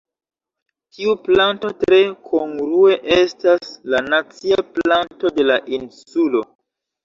Tiu planto tre kongrue estas la nacia planto de la insulo.